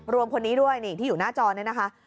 รวมคนนี้ด้วยที่อยู่หน้าจอนะคะ